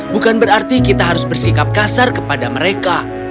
bukan berarti kita harus bersikap kasar kepada mereka